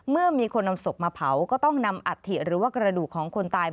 เมื่อมีคนนำศพมาเผาก็ต้องนำอัฐิหรือว่ากระดูกของคนตาย